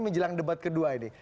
menjelang debat kedua ini